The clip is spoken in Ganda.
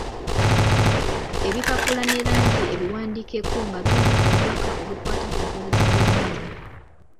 Ebipapula ne langi ebiwandiikeko nga birina obubaka obukwata ku nkozesa y’ennimi.